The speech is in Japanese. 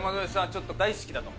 ちょっと「大好きだ」と。